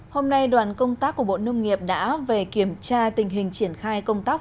hôm nay đoàn công tác của bộ nông nghiệp đã về kiểm tra tình hình triển khai công tác